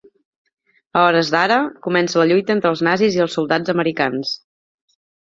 A hores d'ara, comença la lluita entre els nazis i els soldats americans.